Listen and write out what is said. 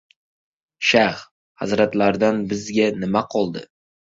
Shayx hazratlaridan bizga nima qoldi?